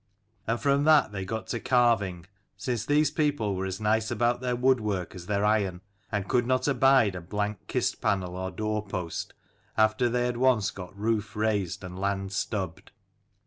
And from that they got to carving, since these people were as nice about their woodwork as 66 their iron, and could not abide a blank kist panel or door post, after they had once got roof raised and land stubbed.